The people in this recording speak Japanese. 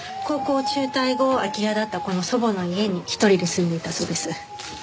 高校を中退後空き家だったこの祖母の家に１人で住んでいたそうです。